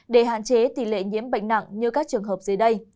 để hạn chế tỷ lệ nhiễm bệnh nặng như các trường hợp dưới đây